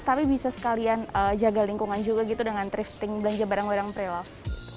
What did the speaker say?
tapi bisa sekalian jaga lingkungan juga gitu dengan thrifting belanja barang barang pre love